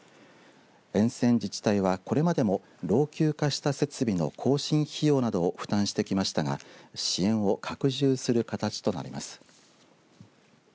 沿線自治体はこれまでも老朽化した設備の更新費用などを負担してきましたが支援を拡充する形となります。